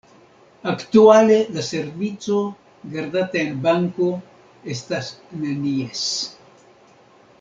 Aktuale la servico, gardata en banko, estas nenies.